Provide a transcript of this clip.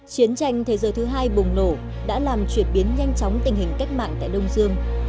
chiến tranh thế giới thứ hai bùng nổ đã làm chuyển biến nhanh chóng tình hình cách mạng tại đông dương